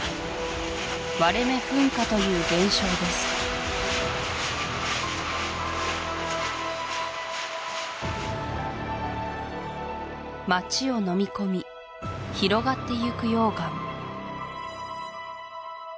割れ目噴火という現象です街をのみこみ広がってゆく溶岩